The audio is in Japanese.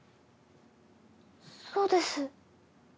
そうです。